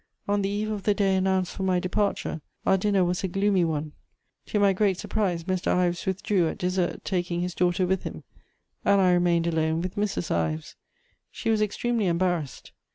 On the eve of the day announced for my departure, our dinner was a gloomy one. To my great surprise, Mr. Ives withdrew at dessert, taking his daughter with him, and I remained alone with Mrs. Ives: she was extremely embarrassed.